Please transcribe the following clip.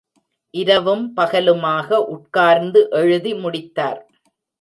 இரவும் பகலுமாக உட்கார்ந்து எழுதி முடித்தார்.